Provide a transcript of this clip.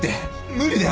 無理だよ！